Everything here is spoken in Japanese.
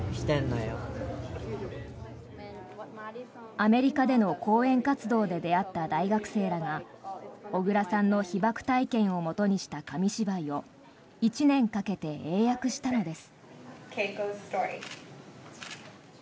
アメリカでの講演活動で出会った大学生らが小倉さんの被爆体験をもとにした紙芝居を１年かけて英訳したのです。